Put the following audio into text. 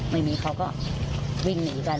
ไม่มีเขาก็วิ่งหนีไป